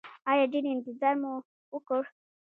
ایا ډیر انتظار مو وکړ؟